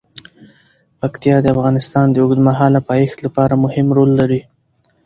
پکتیا د افغانستان د اوږدمهاله پایښت لپاره مهم رول لري.